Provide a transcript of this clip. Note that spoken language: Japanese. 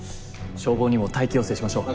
消防にも待機要請しましょう。